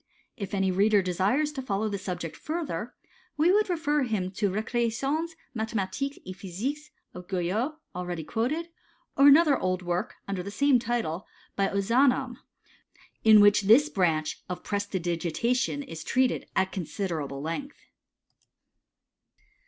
Tf any reader desires to follow the subject further, we would refer him to the Recreations Mathematiques et Physiques of Guyot, already quoted, or another old work, under the same title, by Ozanam, in which this branch oi prestidigitation is treated at considerable length.